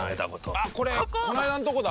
あっこれこの間のとこだ！